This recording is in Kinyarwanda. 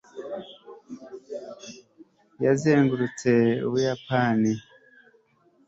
yazengurutse ubuyapani